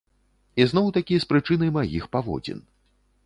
І зноў-такі з прычыны маіх паводзін.